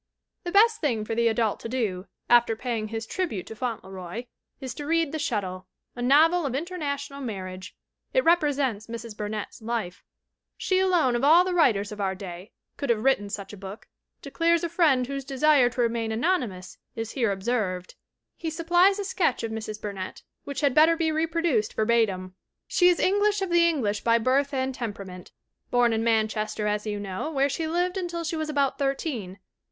The best thing for the adult to do, after paying his tribute to Fauntleroy, is to read The Shuttle, "a novel of international marriage." It represents Mrs. Bur nett's life. She alone of all the writers of our day could have written such a book, declares a friend whose desire to remain anonymous is here observed. 357 358 THE WOMEN WHO MAKE OUR NOVELS He supplies a sketch of Mrs. Burnett which had bet ter be reproduced verbatim : "She is English of the English by birth and tem perament; born in Manchester, as you know, where she lived until she was about thirteen.